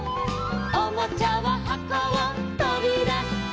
「おもちゃははこをとびだして」